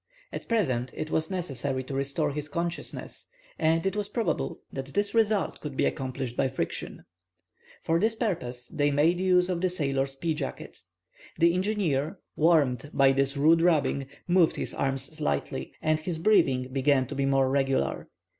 At present, it was necessary to restore his consciousness, and it was probable that this result could be accomplished by friction. For this purpose they mode use of the sailor's pea jacket. The engineer, warmed by this rude rubbing, moved his arms slightly, and his breathing began to be more regular.